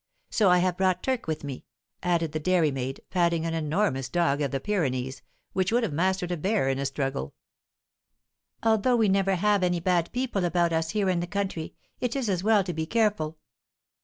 So I have brought Turk with me," added the dairy maid, patting an enormous dog of the Pyrenees, which would have mastered a bear in a struggle. "Although we never have any bad people about us here in the country, it is as well to be careful."